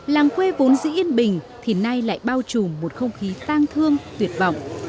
làng quê vốn dĩ yên bình thì nay lại bao trùm một không khí tang thương tuyệt vọng